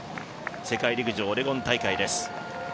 世界陸上オレゴン大会です。